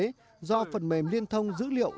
quỹ bảo hiểm y tế do phần mềm liên thông dữ liệu